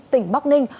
tỉnh bắc ninh